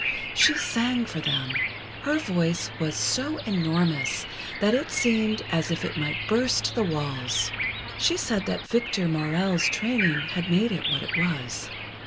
She sang for them. Her voice was so enormous that it seemed as if it might burst the walls. She said that Victor Maurel's training had made it what it was.